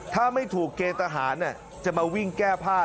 ถ้าไม่ถูกเกณฑ์ทหารจะมาวิ่งแก้ผ้า